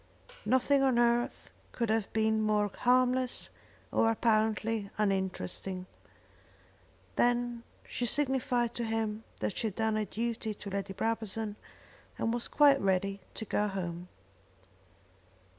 Nothing on earth could have been more harmless or apparently uninteresting. Then she signified to him that she had done her duty to Lady Brabazon and was quite ready to go home.